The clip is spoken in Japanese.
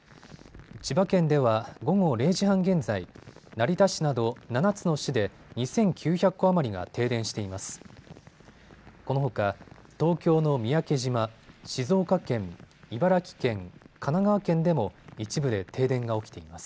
千葉県では午後０時半現在、成田市など、７つの市で２９００戸余りが停電しています。